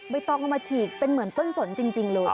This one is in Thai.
ต้องเอามาฉีกเป็นเหมือนต้นสนจริงเลย